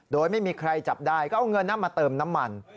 โดยไม่มีใครจับได้ก็เอาเงินมาเติมน้ำมัน